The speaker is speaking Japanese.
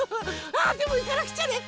あでもいかなくちゃね。